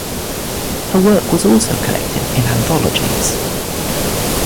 Her work was also collected in anthologies.